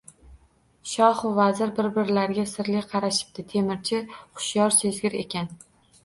Shohu vazir bir-birlariga sirli qarashibdi. Temirchi hushyor, sezgir ekan.